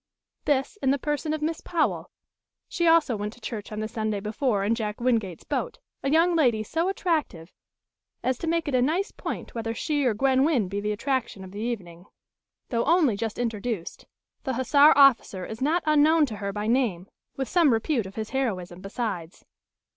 This in the person of Miss Powell; she also went to church on the Sunday before in Jack Wingate's boat a young lady so attractive as to make it a nice point whether she or Gwen Wynn be the attraction of the evening. Though only just introduced, the Hussar officer is not unknown to her by name, with some repute of his heroism besides.